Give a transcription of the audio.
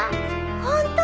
ホント？